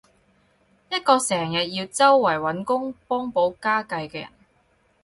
一個成日要周圍搵工幫補家計嘅人